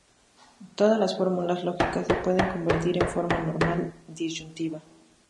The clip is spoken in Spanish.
Todas las fórmulas lógicas se pueden convertir en forma normal disyuntiva.